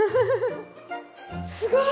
すごい！